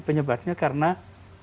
penyebabnya karena ekonominya